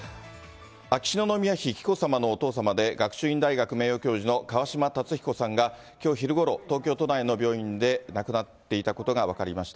秋篠宮妃紀子さまのお父様で、学習院大学名誉教授の川嶋辰彦さんが、きょう昼ごろ、東京都内の病院で亡くなっていたことが分かりました。